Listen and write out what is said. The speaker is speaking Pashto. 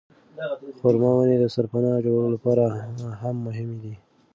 خورما ونې د سرپناه جوړولو لپاره هم مهمې دي.